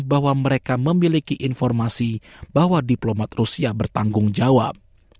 bahwa mereka memiliki informasi bahwa diplomat rusia bertanggung jawab